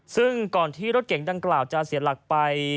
ซึ่งก่อนที่รถเก๋งดังกล่าวจะเสียหลักไป